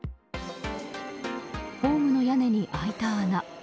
ホームの屋根に開いた穴。